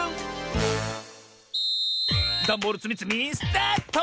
ダンボールつみつみスタート！